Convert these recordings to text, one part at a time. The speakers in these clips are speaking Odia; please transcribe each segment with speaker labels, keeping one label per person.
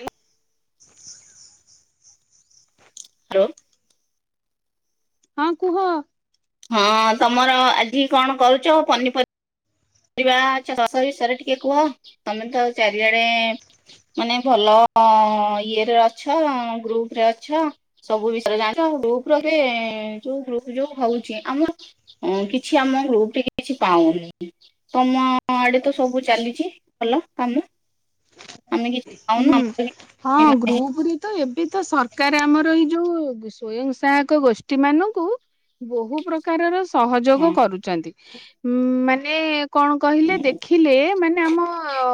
Speaker 1: ଆଲୋ
Speaker 2: ଆଉ
Speaker 1: ହଁ କୁହ?
Speaker 2: ହଁ ତମର ଆଜି କଣ କରୁଛ ପନିପର ଚାଷ ବିଷୟରେ ଟିକେ କୁହ ତମେ ତ ଚାରିଆଡେ ମାନେ ଭଲ ଇଏରେ ଅଛ ଗ୍ରୁପ ରେ ଅଛ ସବୁ ବିଷୟରୋ ଗ୍ରୁପରେ ଯେ ଜଉ ଜଉ ହଉଛି ଆମ୍ କିଛ ଆମ୍ ଗ୍ରୁପରେ କିଛି ପାଉନି। ତମ ଆଡେ ତ ସବୁ ଚାଲିଛି ହେଲା କାମ ଆମେ କିଛି ପାଉନୁ
Speaker 1: ହୁଁ
Speaker 2: ଆମର
Speaker 1: ହଁ
Speaker 2: କିଛି ନାହିଁ
Speaker 1: ଗ୍ରୁପ୍ ରେ ତ୍ ଏ ଏ ତ ସରକାର ଆମର ଏଇ ଯୋଉ ସ୍ଵୟଂ ସହାୟକ ଗୋଷ୍ଠୀ ମାନଙ୍କୁ ବହୁ ପ୍ରକାରର ସହଯୋଗ
Speaker 2: ହଁ
Speaker 1: କରୁଛନ୍ତି। ଉଁ ମାନେ ଏ କଣ କହିଲେ
Speaker 2: ହୁଁ
Speaker 1: ଦେଖିଲେ ମାନେ ଆମ ଅ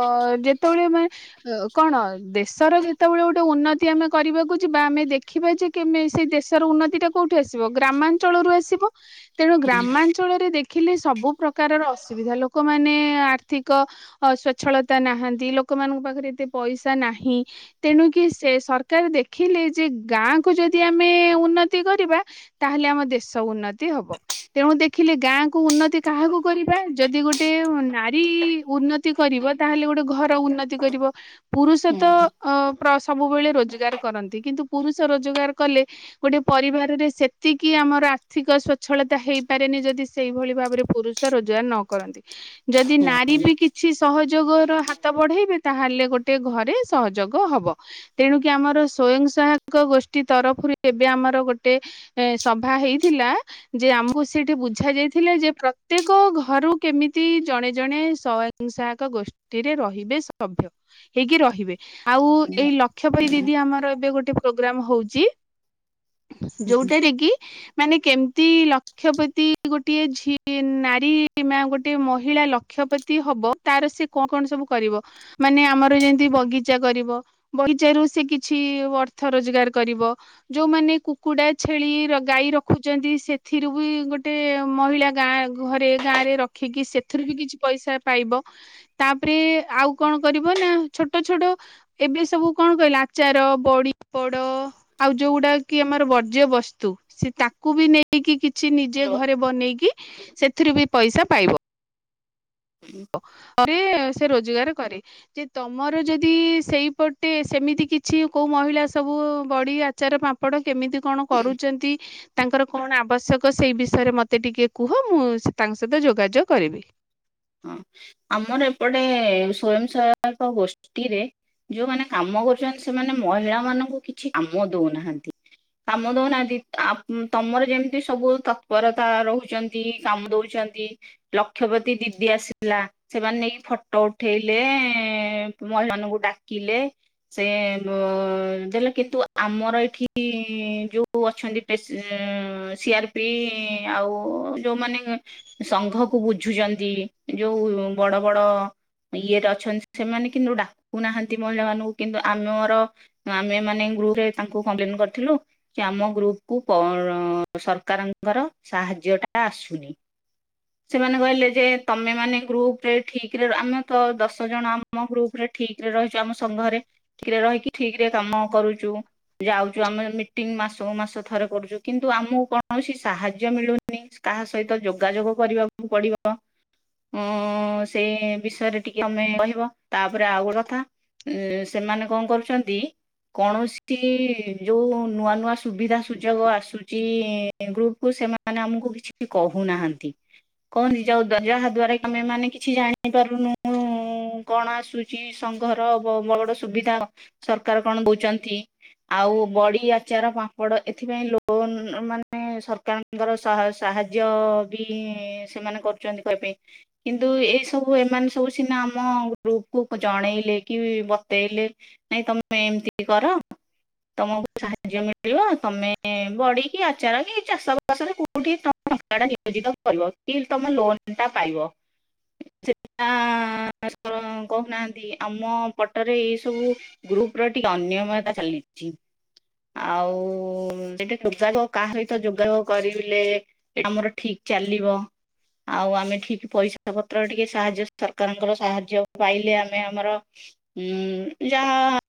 Speaker 1: ଯେତେବେଳେ ମାନେ [unintelligible] କଣ ଦେଶର ଯେତେବେଳେ ଗୋଟେ ଉନ୍ନତି ଆମେ କରିବାକୁ ଯ ବା ଆମେ ଦେଖିବା ଯେମ ସେ ଦେଶର ଉନ୍ନତି ଟା କୋଉଠି ଆସିବ ଗ୍ରାମାଞ୍ଚଳରୁ ଆସିବ ତେଣୁ
Speaker 2: ହୁଁ
Speaker 1: ଗ୍ରାମାଞ୍ଚଳରେ ଦେଖ ଦେଖିଲେ ସବୁ ପ୍ରକାରର ଅସୁବିଧା ଲୋକମାନେ ଆର୍ଥିକ ସଵଚ୍ଛଳତା ନାହାନ୍ତି। ଲୋକମାନଙ୍କ ପାଖରେ ଏତେ ପଇସା ନାହିଁ ତେଣୁକି ସେ ସରକାର ଦେଖିଲେ ଯେ ଗାଁ କ ଯଦି ଆମେ ଉନ୍ନତି କରିବା ତାହେଲେ ଆମ ଦେଶ ଉନ୍ନତି ହବ ତେଣୁ ଦେଖିଲେ ଗାଁ କ ଉନ୍ନତି କାହାକୁ କରିବା ଯଦି ଗୋଟେ ନାରୀ ଉନ୍ନତି କରିବ ତାହେଲେ ଗୋଟେ ଘର ଉନ୍ନତି କରିବ ପୁରୁଷ
Speaker 2: ହୁଁ
Speaker 1: ତ ଅ ସବୁବେଳେ ରୋଜଗାର କରନ୍ତି। କିନ୍ତୁ ପୁରୁଷ ରୋଜଗାର କଲେ ଗୋଟେ ପରିବାରରେ ସେତିକି ଆମର ଆର୍ଥିକ ସ୍ଵଚ୍ଛଳତା ହେଇପାରେନି ଯଦି ସେଇଭଳି ଭାବରେ ପୁରୁଷ ରୋଜଗାର ନ କରନ୍ତି। ଯଦି
Speaker 2: ହୁଁ
Speaker 1: ନାରୀ ବି କିଛି ସହଜ ଯୋଗର ହାତ ବଢେଇବେ ତାହେଲେ ଗୋଟେ ପ୍ରତକ ଘରେ ସହଯୋଗ ହବ ତେଣୁକି ଆମର ସ୍ଵୟଂ ସହାୟକ ଗୋଷ୍ଠୀ ତରଫରୁ ଏବେ ଆମର ଗୋଟେ ସଭା ହେଇଥିଲା ଯେ ଆମକୁ ସେଠି ବୁଝା ଯାଇଥିଲା ଯେ ପ୍ରତ୍ୟେକ ଘରୁ କେମିତି ଜଣେ ଜଣେ ସୋୟମ ସହାୟକ ଗୋଷ୍ଠୀରେ ରହିବେ ସଭ୍ୟ ହେଇକି ରହିବେ। ଆଉ
Speaker 2: ହୁଁ
Speaker 1: ଏଇ ଲକ୍ଷ୍ୟ ଭ
Speaker 2: ହୁଁ
Speaker 1: ଦିଦି ଆମର ଏବେ ଗୋଟେ ପ୍ରୋଗ୍ରାମ ହଉଛି।
Speaker 2: ହୁଁ
Speaker 1: ଯୋଉଟାରେ କି? ମାନେ କେମିତି ଲକ୍ଷପତି ଗୋଟିଏ ଝିଅ ନାରୀ ମା ଗୋଟଏ ମହିଳା ଲକ୍ଷପତି ହବ ତାର ସେ କଣ କଣ ସବୁ କରିବ ମାନେ ଆମର ଯେମତି ବଗିଚା କରିବ, ବଗିଚ ର ସେ କିଛି ଅର୍ଥ ରୋଜଗାର କରିବ, ଯୋଉମାନେ କୁକୁଡା ଛେଳି ଗାଈ ରଖୁଛନ୍ତି। ସେଥିରୁ ବି ଗୋଟେ ମହିଳା ଗାଁ ଘରେ ଗାଁ ରେ ରଖିକି ସେଥିରୁ ବି କିଛି ପଇସା ପାଇବ, ତାପରେ ଆଉ କଣ କରିବ ନା ଛୋଟ ଛୋଟ ଏବେ ସବୁ କଣ କହିଲେ, ଆଚାର ବଡିପଡ ଆଉ ଯୋଉଗୁଡା କି ଆମର ବର୍ଜ୍ୟ ବସ୍ତୁ ସେ ତାକୁ ବି ନେଇକି କି କିଛି ନିଜେ
Speaker 2: ହ୍ୟାଲୋ
Speaker 1: ଘରେ ବନେଇକି ସେଥିରୁ ବି ପଇସା ପାଇବ। ହ ହ। ସେ ରୋଜଗାର କରେ ଯେ ତମର ଯଦି ସେଇପଟେ ସେମିତି କିଛି କୋଉ ମହିଳା ସବୁ ବଡି ଆଚାର ପାମ୍ପଡ଼ କେମିତି କଣ କରୁଛନ୍ତି? ତାଙ୍କର କଣ ଆବଶ୍ୟକ ସେଇ ବିଷୟରେ ମୋତେ ଟିକେ କୁହ ମୁଁ ତାଙ୍କ ସହିତ ଯୋଗାଯୋଗ କରିବି।
Speaker 2: ହଁ ଆମର ଏପଟେ ସ୍ଵୟଂ ସହାୟକ ଗୋଷ୍ଠୀରେ ଯୋଉମାନୋନ କାମ କରୁଛନ୍ତି। ସେମାନେ ମହିଳା ମାନଙ୍କୁ କିଛି କାମ ଦଉନାହାନ୍ତି କାମ ଦଉନାହାନ୍ତି ତମର ଯେମିତି ସବୁ ତତ୍ପରତା ରହୁଛନ୍ତି କାମ ଦଉଛନ୍ତି। ଲକ୍ଷବତୀ ଦିି ଆସିଲା ସେମାନେ ନେଇକି ଫଟୋ ଉଠେଇଲେ, ମହିମାନଙ୍କୁ ଡାକିଲେ ସେ ଦେଲେ କିନ୍ତୁ ଆମର ଏଇଠି ଯୋଉ ଅଛନ୍ତି ସିଆର ପି ଆଉ ଯୋଉମାନେ ସଂଘକୁ ବୁଝୁଛନ୍ତି। ଯୋଉ ବଡ ବଡ ଇଏରେ ଅଛନ୍ତି ସେମାନେ କିନ୍ତୁ ଡାକୁ ନାହାନ୍ତି। ମହିଳା ମାନଙ୍କୁ କିନ୍ତୁ ଆମର ଆମେ ମାନେ ଗୃହରେ ତାଙ୍କୁ କମ୍ପ୍ଲେନ କରିଥିଲୁ, ଯେ ଆମ ଗ୍ରୁପ କ ସରକାରଙ୍କର ସାହାଯ୍ୟ ଟା ଆସୁନି ସେମାନେ କହିଲେ ଯେ ତମେ ମାନେ ଗ୍ରୁପ ରେ ଠିକରେ ଆମେ ତ ଦଶ ଜଣ ଆମ ଗ୍ରୁପ ରେ ଠିକରେ ରହିଛୁ ଆମ ସଂଘରେ ଠିକରେ ରହିକି ଠିକରେ କାମ କରୁଛୁ। ଯାଉଛୁ ଆମ ମିଟିଂ ମାସକୁ ମାସ ଥରେ କରୁଛୁ କିନ୍ତୁ ଆମକୁ କୌଣସି ସାହାଯ୍ୟ ମିଳୁନି କାହା ସହିତ ଯୋଗାଯୋଗ କରିବାକୁ ପଡିବ। ଅଁ ସେଇ ବିଷୟରେ ଟିକେ ତମେ କହିବ ତାପରେ ଆଉ ଗୋଟେ କଥା ସେମାନେ କଣ କରୁଛନ୍ତି କୌଣସି ଯୋଉ ନୂଆ ନୂଆ ସୁବିଧା ସୁଯୋଗ ଆସୁଛି। ଗ୍ରୁପ କୁ ସେମାନେ ଆମକୁ କିଛି କହୁନାହାନ୍ତି କଣ ନି ଯାଉ ଯାହା ଦଵାରା ଆମେ ମାନେ କିଛି ଜାଣି ପାରୁନୁ, କଣ ଆସୁଛି ସଂଘର ବଡ ସୁବିଧା ସରକାର କଣ ଦଉଛନ୍ତି। ଆଉ ବଡି ଆଚାର ପାମ୍ପଡ ଏଥିପାଇଁ ଲୋନ ମାନେ ସରକାରଙ୍କର ସାହାଯ୍ୟ ବି ସେମାନେ କର ପାଇଁ କିନ୍ତୁ ଏଇ ସବୁ ଏମାନେ ସବୁ ସିନା ଆମ ଗ୍ରୁପ କ ଜଣେଇଲେ କି ବତେଇଲେ ନାଇଁ ତମେ ଏମିତି କର ତମକୁ ସାହାଯ୍ୟ ମିଳିବ ତମେ ବଢିକି ଆଚାର କି ଚାଷ ବାସରେ କୋଉଠିଙ୍କା ତମ କି ତମ ଲୋନ ପାଇବ ସେଟା କହୁନାହାନ୍ତି ଆମ ପଟରେ ଏଇ ସବୁ ଗ୍ରୁପ ର ଟିକେ ଅନିୟମତା ଚାଲିଛି ଆଉ ସେଟା ଯୋଗାଯ କାହା ସହିତ ଯୋଗାଯୋଗ କରିଲେ ଆମର ଠିକ ଚାଲିବ। ଆଉ ଆମେ ଠିକ ପଇସା ପତ୍ର ଟିକେ ସାହାଯ୍ୟ ସରକାରଙ୍କର ସାହାଯ୍ୟ ପାଇଲେ ଆମେ ଆମର ଯାହା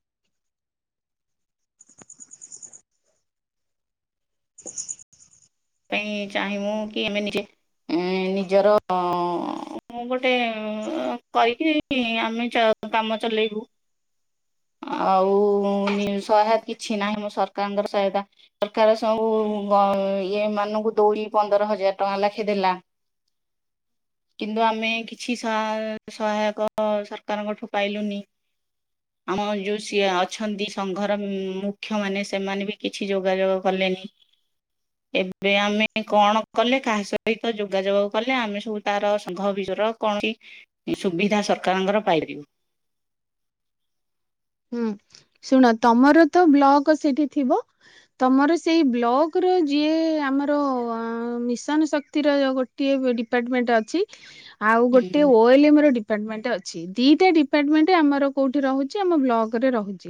Speaker 2: କାଇଁ ଚାହିଁମୁ କି ଆମେ ନିଜେ ନିଜର ମୁଁ ଗୋ ଗୋଟେ ଅ କରିକି। ଇ ଆମେ ଚ କାମ ଚଲେଇବୁ ଆଉ ନି ସହାୟତା କିଛି ନାହିଁ ମୋ ସରକାରଙ୍କର ସହାୟତା ସରକାର ସବୁ ବ ଏମାନଙ୍କୁ ଦଉଡି ପନ୍ଦର ହଜାର ଟଙ୍କା ଲେଖେ ଦେଲା କିନ୍ତୁ ଆମେ କିଛି ସହା ସହାୟକ ସରକାରଙ୍କଠୁ ପାଇଲୁନି ଆମ ଯୋଉ ସିଏ ଅଛନ୍ତି ସଂଘର ମୁଖ୍ୟ ମାନେ ସେମାନେ ବି କିଛି ଯୋଗାଯୋଗ କଲେନି। ଏବେ ଆମେ କଣ କଲେ କାହା ସହିତ ଯୋଗାଯୋଗ କଲେ ଆମେ ସବୁ ତାର ସଂଘ ବିଷ କୌଣସି ସୁବିଧା ସରକାରଙ୍କର ପାଇପାରିବୁ।
Speaker 1: ହୁଁ ଶୁଣ ତମର ତ ବ୍ଲକ ସେଇଠି ଥିବ ତମର ସେଇ ବ୍ଲକ ର ଯିଏ ଆମର ମିଶନ ଶକ୍ତିର ଗୋଟିଏ ଡିପାର୍ଟମେଣ୍ଟ ଅଛି। ଆଉ ଗୋଟେ
Speaker 2: ହୁଁ
Speaker 1: ଓଏଲମ ର ଡି ଡିପାର୍ଟମେଣ୍ଟ ଅଛି ଦିଟା ଡିପାର୍ଟମେଣ୍ଟେ ଆମର କୋଉଠି ରହୁଛି। ଆମ ବ୍ଲକ ରେ ରହୁଛି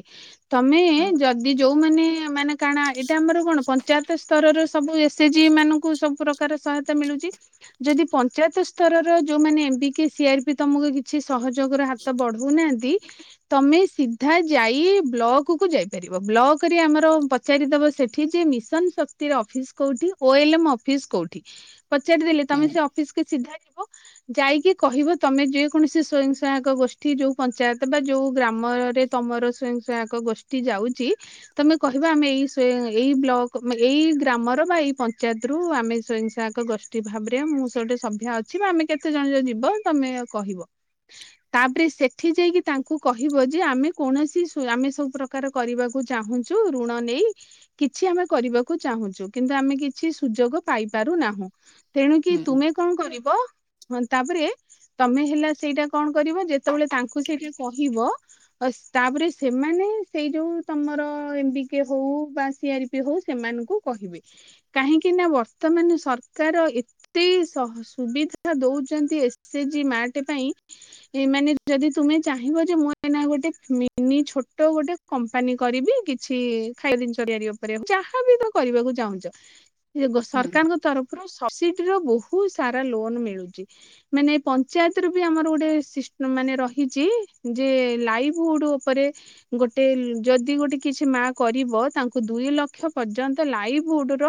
Speaker 1: ତମେ
Speaker 2: ହୁଁ
Speaker 1: ଯଦି ଯୋଉ ମାନେ ମାନେ କାଣା ଏଇଟା ଆମର କଣ ପଞ୍ଚାୟତ ସ୍ତର ର ସବୁ ଏସ ଏ ଜି ମାନଙ୍କୁ ସବୁ ପ୍ରକାର ସହାୟତା ମିଳୁଛି ଯଦି ପଞ୍ଚାୟତ ସ୍ତରର ଯୋଉ ମାନେ ଏମ୍ ପି କି ସି ଆର ପି ତମକୁ କିଛି ସହଯୋଗର ହାତ ବଢଉନାହାନ୍ତି। ତମେ ସିଧା ଯାଇ ବ୍ଲକ କୁ ଯାଇପାରିବ ବ୍ଲକ ରେ ଆମର ପଚାରିଦବ ସେଠି ଯେ ମିଶନ ଶକ୍ତିର ଅଫିସ କୋଉଠି ଓ ଏଲ ଏମ୍ ଅଫିସ କୋଉଠି। ପଚାରିଦେଲେ ତମେ ସେ
Speaker 2: ହୁଁ
Speaker 1: ଅଫିସ କେ ସିଧା ବ ଯାଇକି କହିବ ତମେ ଯେ କୌଣସି ସ୍ଵୟଂ ସହାୟକ ଗୋଷ୍ଠୀ ଯୋଉ ପଞ୍ଚାୟତ ବା ଯୋଉ ଗ୍ରାମରେ ତମର ସ୍ଵୟଂ ସହାୟକ ଗୋଷ୍ଠୀ ଯାଉଛି ତମେ କହିବ ଆମେ ଏଇ ସ ଏଇ ବ୍ଲକ ଏଇ ଗ୍ରାମର ବା ଏଇ ପଞ୍ଚାୟତରୁୁ ଆମେ ସ୍ଵୟଂ ସହାୟକ ଗୋଷ୍ଠୀ ଭାବରେ ମୁଁ ସେ ଗୋଟେ ସଭ୍ୟା ଅଛି। ବା ଆମେ କେତେ ଜଣ ଯ ଯିବ ତମେ କହିବ ତାପରେ ସେଠି ଯାଇକି ତାଙ୍କୁ କହିବ ଯେ ଆମେ କୌଣସି ସ୍ଵ ଆମେ ସବୁ ପ୍ରକାର କରିବାକୁ ଚାହୁଁଛୁ ଋଣ ନେଇ କିଛି ଆମେ କରିବାକୁ ଚାହୁଁଛୁ କିନ୍ତୁ ଆମେ କିଛି ସୁଯୋଗ ପାଇପାରୁନାହୁଁ। ତେଣୁ କିି ତୁମେ କଣ କରିବ। ହଁ ତାପରେ ତମେ ହେଲା ସେଇଟା କଣ କରିବ ଯେତେବେଳେ ତାଙ୍କୁ ସେଇଠି କହିବ ତାପରେ ସେମାନେ ସେଇ ଯୋଉ ତମର ଏମ ବି କେ ହଉ ବା ସି ଆର ପି ହଉ ସେମାନଙ୍କୁ କହିବେ କାହିଁକି ନା ବର୍ତ୍ତମାନ ସରକାର ଏତେ ସ ସୁବିଧା ଦଉଛନ୍ତି। ଏସ୍ ଏଚ ଜି ମ୍ୟାଟ ପାଇଁ ଏମାନେ ଯଦି ତୁମେ ଚାହିଁବ ଯେ ମୁଁ ଏଇନା ଗୋଟେ ମିନି ଛୋଟ ଗୋଟେ କମ୍ପାନୀ କରିବି କିଛି ଖାଇବା ଜିନିଷ ତିଆରି ଉପରେ ଯାହାବି ତମେ କରିବାକୁ ଚାହୁଁଛ।
Speaker 2: ହୁଁ
Speaker 1: ସରକାରଙ୍କ ତରଫରୁ ସବସିଡିର ବହୁତ ସାରା ଲୋନ ମିଳୁଛି ମାନେ ପଞ୍ଚାୟତ ର ବି ଆମର ଗୋଟେ ଶିଷ୍ଟ ମାନେ ରହିଛି। ଯେ ଲାଇଭହୁଡ ଉପରେ ଗୋଟେ ଯଦି ଗୋଟେ କିଛି ମା କରିବ ତାଙ୍କୁ ଦୁଇ ଲକ୍ଷ ପର୍ଯ୍ୟନ୍ତ ଲାଇଭହୁଡ ର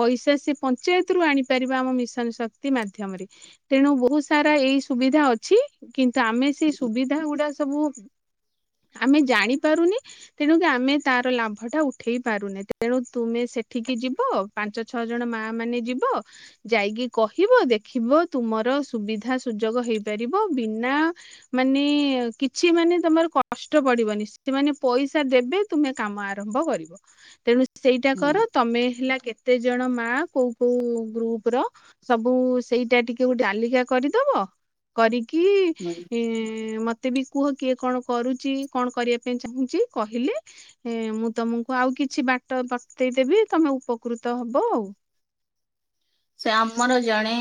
Speaker 1: ପଇସା ସେ ପଞ୍ଚାୟତ ରୁ ଆଣିପାରିବା ଆମ ମିଶନ ଶକ୍ତି ମାଧ୍ୟମରେ ତେଣୁ ବହୁତ ସାରା ଏଇ ସୁବିଧା ଅଛି କିନ୍ତୁ ଆମେ ସେ
Speaker 2: ହୁଁ
Speaker 1: ସୁବିଧା ଗୁଡା ସବୁ ଆମେ ଜାଣି ପାରୁନି ତେଣୁକ ଆମେ ତାର ଲାଭ ଟା ଉଠେଇ ପାରୁନେ ତେଣୁ ତୁମେ ସେଠିକି ଯିବ ପାଞ୍ଚ ଛଅ ଜଣ ମା ମାନେ ଯିବ ଯାଇକି କହିବ ଦେଖିବ ତୁମର ସୁବିଧା ସୁଯୋଗ ହେଇପାରିବ ବିନା ମାନେ କିଛି ମାନେ ତମର କଷ୍ଟ ପଡିବନି ସେମାନେ ପଇସା ଦେବେ ତୁମେ କାମ ଆରମ୍ଭ କରିବ ତେଣୁ ସେଇଟା କର ତମେ ହେଲା କେତେ ଜଣ ମା କୋଉ କୋଉ ଗ୍ରୁପ ର ସବୁ ସେଇଟା ଟିକେ ଗୋଟେ ଡାଲିକା କରିଦବ କରି
Speaker 2: ହୁଁ।
Speaker 1: ମତେ ବି କୁହ କିଏ କଣ କରୁଛି କଣ କରିବା ପାଇଁ ଚାହୁଁଛି କହିଲେ ମୁଁ ତମକୁ ଆଉ କିଛି ବାଟ ବତେଇଦେବି ତମେ ଉପକୃତ ହବ ଆଉ।
Speaker 2: ସେ ଆମର ଜଣେ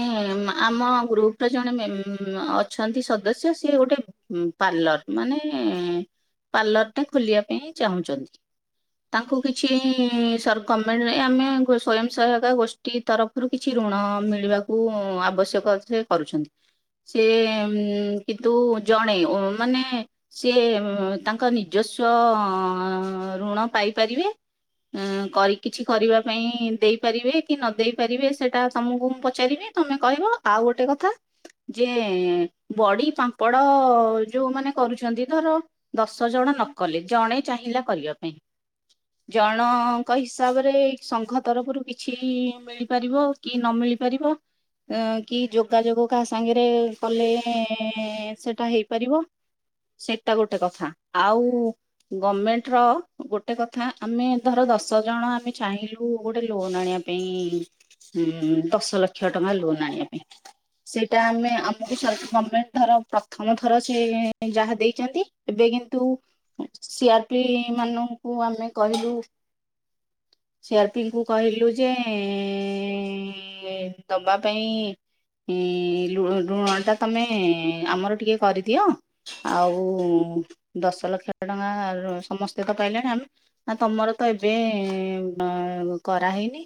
Speaker 2: ମା ଆମ ଗ୍ରୁପର ଜଣେ ମେମ ଅଛନ୍ତି ସଦସ୍ୟ ସିଏ ଗୋଟେ ପାର୍ଲର ମାନେ ପାର୍ଲରଟେ ଖୋଲିବା ପାଇଁ ଚାହୁଁଛନ୍ତି ତାଙ୍କୁ କିଛି ସର ଗମେଣ୍ଟରେ ଆମେ ଗୋ ସ୍ଵୟଂ ସହାୟକ ଗୋଷ୍ଠୀ ତରଫ କିଛି ଋଣ ମିଳିବାକୁ ଆବଶ୍ୟକ ସେ କରୁଛନ୍ତି ସେ ଉମ କିନ୍ତୁ ଜଣେ ଉ ମାନେ ସେ ତାଙ୍କ ନିଜସ୍ୱ ଋଣ ପାଇପାରିବେ କରି କିଛି କରିବା ପାଇଁ ଦେଇପାରିବେ କି ନ ଦେଇ ରିବେ ସେଟା ତମକୁ ମୁଁ ପଚାରିବି ତମେ କହିବ ଆଉ ଗୋଟେ କଥା ଯେ ବଡି ପାମ୍ପଡ ଯୋଉ ମାନ କରୁଛନ୍ତି ଧର ଦଶ ଜଣ ନ କଲେ ଜଣେ ଚାହିଁଲା କରିବା ପାଇଁ ଜଣଙ୍କ ହିସାବରେ ସଂଘ ତରଫରୁ କିଛି ମିଳି ପାରିବ କି ନ ମିଳିପାରିବ କି ଅ ଯୋଗାଯୋଗ କାହା ସାଙ୍ଗରେ କଲେ ସେଟା ହେଇପାରିବ ସେଇଟା ଗୋଟେ କଥା ଆଉ ଗମେଣ୍ଟର ଗୋଟେ କଥା ଆମେ ଧର ଦଶ ଜଣ ଆମେ ଚାହିଁଲୁ ଗୋଟେ ଲୋନ ଆଣିବା ପାଇଁ। ଉ ଦଶ ଲକ୍ଷ ଟଙ୍କା ଲୋନ୍ ଆଣିବା ପାଇଁ ସେଇଟା ଆମେ ଆମକୁ ସର ଗମେଣ୍ଟ ଧର ପ୍ରଥମ ଥର ସେ ଯାହା ଦେଇଛନ୍ତି ଏବେ କିନ୍ତୁ ସି ଆର ପି ମାନଙ୍କୁ ଆମେ କହିଲୁ ସି ଆର ପି ଙ୍କୁ କହିଲୁ ଯେ ଏଁ ଦବା ପାଇଁ ଇ ଋ-ଋଣ ଟା ତମେ ଆମର ଟିକେ କରିଦିଅ ଆଉ ଦଶ ଲକ୍ଷ ଟଙ୍କା ର ସମସ୍ତେ ତ ପାଇଲେଣି ଆମ ତମର ତ ଏବେ ବ କରାହେଇନି।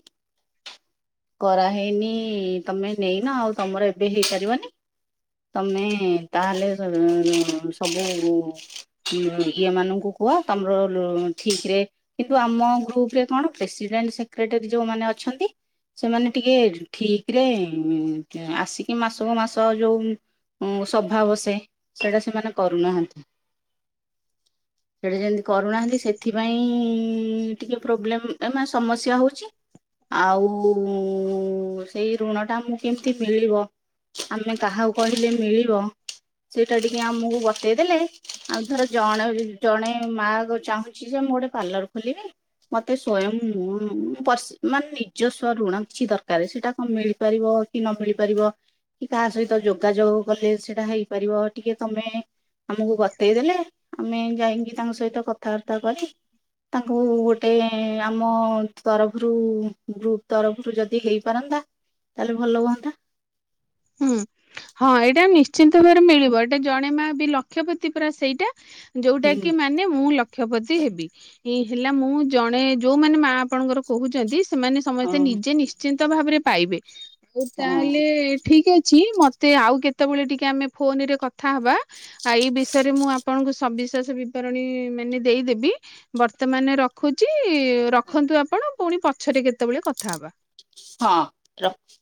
Speaker 2: କରାହେଇନି ତମେ ନେଇନ ଆଉ ତମର ଏବେ ହେଇପାରିବନି ତମେ ତାହଲେ ଇ ସବୁ ଇଏ ମାନଙ୍କୁ କୁହ ତମର ଲୋ ଠିକ ରେ କିନ୍ତୁ ଆମ ଗ୍ରୁପ ରେ କଣ ପ୍ରେସିଡେଣ୍ଟ ସେକ୍ରେଟାରୀ ଯୋଉମାନେ ଅଛନ୍ତି। ସେମାନେ ଟିକେ ଠିକ ରେ ଆସିକି ମାସକୁ ମାସ ଯୋଉ ସଭା ବସେ ସେଟା ସେମାନେ କରୁନାହାନ୍ତି ସେଟା ଯେମିତି କରୁନାହାନ୍ତି ସେଥିପାଇଁ ଟିକେ ପ୍ରୋବ୍ଲେମ ସମସ୍ୟା ହଉଛି ଆଉ। ଆଉ ସେଇ ଋଣ ଟା ଆମକୁ କେମିତି ମିଳିବ ଆମେ କାହାକୁ କହିଲେ ମିଳିବ ସେଇଟା ଟିକେ ଆମକୁ ବତେଇଦେଲେ ଆଉ ଧର ଜଣେ ଜଣେ ମା ଚାହୁଁଛି ଯେ ମୁଁ ଗୋଟେ ପାର୍ଲର ଖୋଲିବି ମୋତେ ସ୍ଵୟଂ ମୁଁ ପ ପର୍ସ ମାନେନି। ନିଜସ୍ୱ ଋଣ କିଛି ଦରକାର ସେଇଟା କଣ ମିଳିପାରିବ କି ନ ମିଳିପାରିବ କି କାହା ସହିତ ଯୋଗାଯୋଗ କଲେ ସେଇଟା ହେଇପାରିବ ଟିକେ ତମେ ଆମକୁ ବତେଇ ଦେଲେ ଆମେ ଯାଇକି ତାଙ୍କ ସହିତ କଥାବାର୍ତ୍ତା କରି ତାଙ୍କୁ ଗୋଟେ ଆମ ତରଫରୁ। ଗ୍ରୁପ ତରଫରୁ ଯଦି ହେଇପାରନ୍ତା ତାହେଲେ ଭଲ ହୁଅନ୍ତା।
Speaker 1: ହୁଁ ହଁ ଏଇଟା ନିଶ୍ଚିନ୍ତ ଭାବରେ ମିଳିବ ଏଇଟା ଜଣେ ମା ବି ଲକ୍ଷପତି ପୁରା ସେଇଟା। ଯୋଉଟା
Speaker 2: ହୁଁ
Speaker 1: କି ମାନେ ମୁଁ ଲ କ୍ଷପତି ହେବି ହେଲା ମୁଁ ଜଣେ ଯୋଉମାନେ ମା ଆପଣଙ୍କର କହୁଛନ୍ତି ସେମାନେ
Speaker 2: ହଁ
Speaker 1: ସମସ୍ତେ ନିଜେ ନିଶ୍ଚିନ୍ତ ଭାବରେ ପାଇବେ। ଓଉ
Speaker 2: ହଁ
Speaker 1: ତାହେଲେ ଠିକ ଅଛି ମତେ ଆଉ କେତେବେଳେ ଟିକେ ଆମେ ଫୋନ ରେ କଥାହବା ଆଉ ଏଇ ବିଷୟରେ ମୁଁ ଆପଣଙ୍କୁ ସବିଶ୍ୱାସ ବିବରଣୀ ମାନେ ଦେଇଦେବି ବର୍ତ୍ତମାନ ରଖୁଛି ରଖନ୍ତୁ ଆପଣ ପୁଣି ପଛରେ କେତେବେଳେ କଥାହବା?
Speaker 2: ହଁ ରଖ।